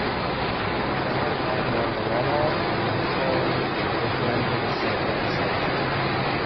Valentine won the runoff, and Michaux returned to the state legislature.